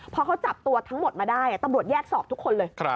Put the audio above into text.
พอเขาจับตัวทั้งหมดมาได้ตำรวจแยกสอบทุกคนเลย